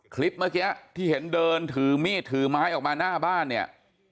คลิปเมื่อกี้ที่เห็นเดินถือมีดถือไม้ออกมาหน้าบ้านเนี่ย